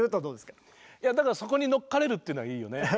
いやだからそこに乗っかれるっていうのはいいよね。